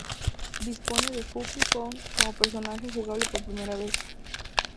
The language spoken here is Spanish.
Dispone de Funky Kong como personaje jugable por primera vez.